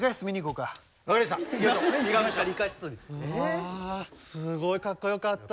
うわすごいかっこよかった。